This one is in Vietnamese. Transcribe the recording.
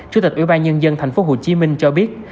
chủ tịch ủy ban nhân dân tp hcm cho biết